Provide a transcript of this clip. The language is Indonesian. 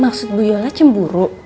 maksud bu yola cemburu